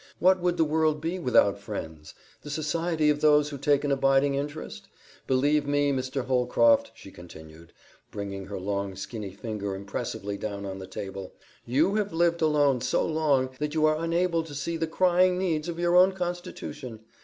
What would the world be without friends the society of those who take an abiding interest? Believe me, Mr. Holcroft," she continued, bringing her long, skinny finger impressively down on the table, "you have lived alone so long that you are unable to see the crying needs of your own constitution.